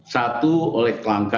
satu oleh kelangkaan